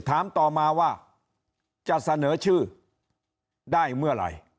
ถามต่อมาว่าจะเสนอชื่อได้เมื่อไหร่